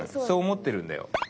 そう思ってるんだよ